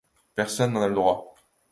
Personne n’en a le droit.